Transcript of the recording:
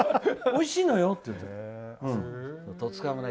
おいしいのよって言うから。